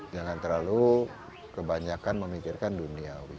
jangan terlalu kebanyakan memikirkan duniawi